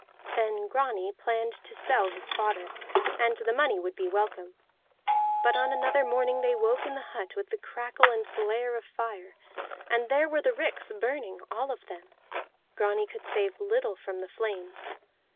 Then Grani planned to sell his fodder, and the money would be welcome. But on another morning they woke in the hut with the crackle and glare of fire, and there were the ricks burning, all of them; Grani could save little from the flames.